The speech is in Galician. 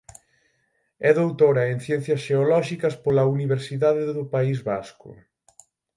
É doutora en Ciencias Xeolóxicas pola Universidade do País Vasco.